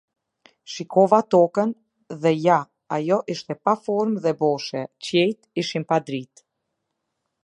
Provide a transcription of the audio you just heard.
Shikova tokën, dhe ja, ajo ishte pa formë dhe boshe; qiejt ishin pa dritë.